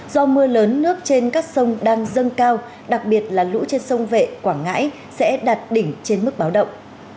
do mưa lớn nước trên các sông đang dâng cao đặc biệt là lũ trên sông vệ quảng ngãi sẽ đạt đỉnh trên mức báo động